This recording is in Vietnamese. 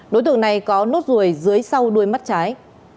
đối tượng này có nốt ruồi dưới sau đuôi mắt trái